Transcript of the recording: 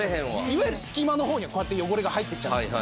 いわゆる隙間の方にはこうやって汚れが入っていっちゃうんです。